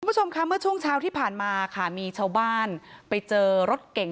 คุณผู้ชมค่ะเมื่อช่วงเช้าที่ผ่านมาค่ะมีชาวบ้านไปเจอรถเก่ง